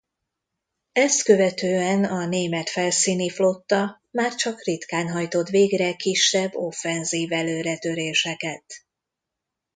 Ezt követően a német felszíni flotta már csak ritkán hajtott végre kisebb offenzív előretöréseket.